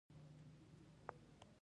هم را وګرځېد او په ده پسې شو.